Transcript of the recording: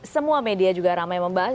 semua media juga ramai membahas